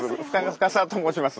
深澤と申します。